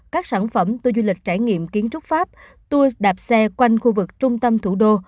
các sản phẩm tour du lịch trải nghiệm kiến trúc pháp tour đạp xe quanh khu vực trung tâm thủ đô